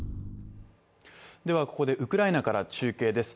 ではここでウクライナから中継です